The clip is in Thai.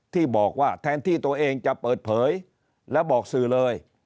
ที่บอกว่าแทนที่ตัวเองจะเปิดเผยแล้วบอกสื่อเลย